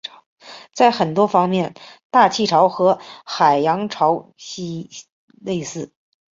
在很多方面大气潮和海洋潮汐类似。